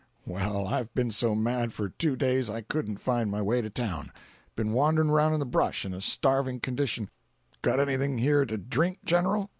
Well, I've been so mad for two days I couldn't find my way to town—been wandering around in the brush in a starving condition—got anything here to drink, General?